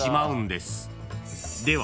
［では］